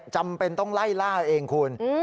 จำเป็นต้องไล่ล่าเองคุณ